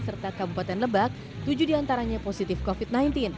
serta kabupaten lebak tujuh diantaranya positif covid sembilan belas